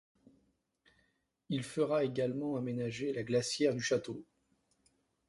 Il fera également aménager la glacière du château.